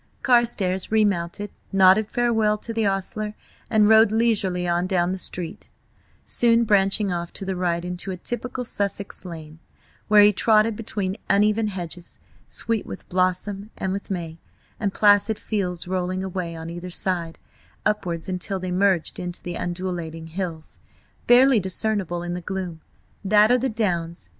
Carstares remounted, nodded farewell to the ostler and rode leisurely on down the street, soon branching off to the right into a typical Sussex lane, where he trotted between uneven hedges, sweet with blossom and with May, and placid fields rolling away on either side, upwards until they merged into the undulating hills, barely discernible in the gloom, that are the downs.